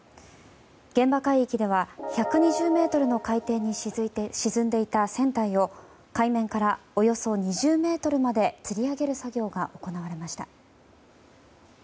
現場海域では１２０ｍの海底に沈んでいた船体を海面からおよそ２０ｍまでつり上げる作業が行われました。